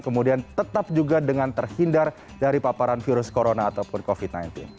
kemudian tetap juga dengan terhindar dari paparan virus corona ataupun covid sembilan belas